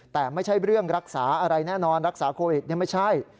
แต่ไม่ใช่เรื่องรักษาอะไรแน่นอนรักษาโควิดไม่ใช่